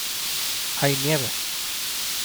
¡ hay nieve!